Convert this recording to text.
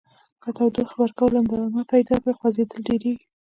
که تودوخې ورکول ادامه پیدا کړي خوځیدل ډیریږي.